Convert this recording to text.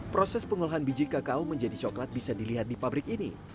proses pengolahan biji kakao menjadi coklat bisa dilihat di pabrik ini